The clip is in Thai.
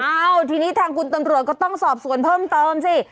เอ้าทีนี้ทางคุณตำรวจก็ต้องสอบสวนเพิ่มเติมสิ